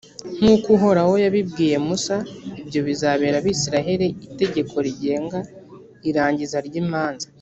nkuko uhoraho yabibwiye musa, ibyo bizabera abayisraheli itegeko rigenga irangiza ry’imanza.